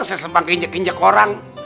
sesemang kinjek kinjek orang